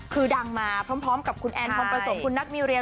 คือดังมาพร้อมกับคุณแอนพร้อมผสมคุณนัทมิวเรีย